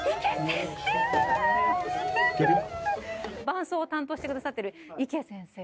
伴奏を担当してくださってる池先生。